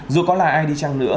dù có là ai đi chăng nữa